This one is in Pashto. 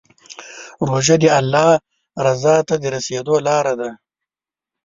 روژه د الله رضا ته د رسېدو لاره ده.